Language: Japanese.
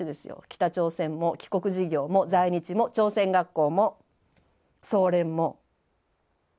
北朝鮮も帰国事業も在日も朝鮮学校も総連も脱北も。